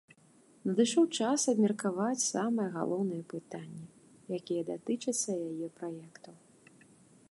Надышоў час абмеркаваць самыя галоўныя пытанні, якія датычацца яе праектаў.